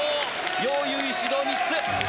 ようゆうい、指導３つ。